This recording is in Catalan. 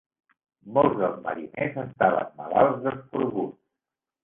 Molts dels mariners estaven malalts d'escorbut.